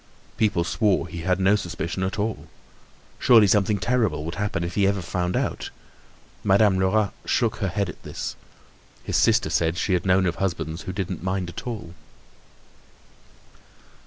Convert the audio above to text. People swore he had no suspicion at all. Surely something terrible would happen if he ever found out. Madame Lerat shook her head at this. His sister said she had known of husbands who didn't mind at all.